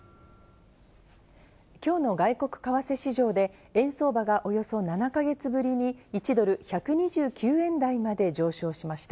きょうの外国為替市場で、円相場がおよそ７か月ぶりに１ドル１２９円台まで上昇しました。